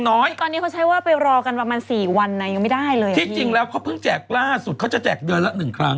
รู้สึกว่าไปรอกันประมาณสี่วันยังไม่ได้เลยพึ่งแจกล่าสุดเจากันเดือนละหนึ่งครั้ง